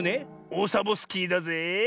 オサボスキーだぜえ。